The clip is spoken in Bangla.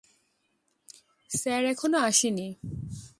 স্যার, এখনও আসেনি।